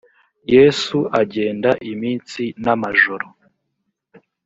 yesu agenda iminsi n’amajoro